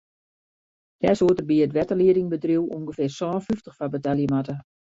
Dêr soed er by it wetterliedingbedriuw ûngefear sân fyftich foar betelje moatte.